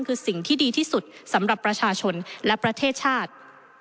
คือสิ่งที่ดีที่สุดสำหรับประชาชนและประเทศชาติ